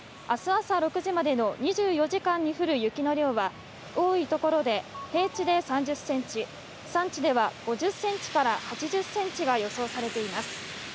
あす朝６時までの２４時間に降る雪の量は、多い所で、平地で３０センチ、山地では５０センチから８０センチが予想されています。